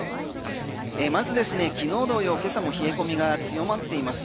まずですね、昨日同様今朝も冷え込みが強まっています。